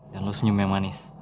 dan lo senyum yang manis oke